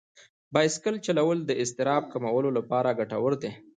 بایسکل چلول د اضطراب کمولو لپاره ګټور دي.